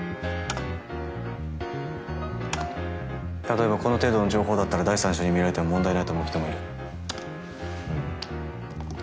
例えばこの程度の情報だったら第三者に見られても問題ないと思う人もいる。